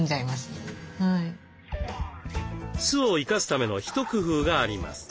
酢を生かすための一工夫があります。